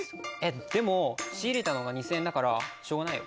でも仕入れたのが２，０００円だからしょうがないよ。